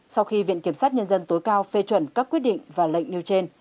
sau khi viện kiểm sát nhân dân tối cao phê chuẩn các quyết định và lệnh nêu trên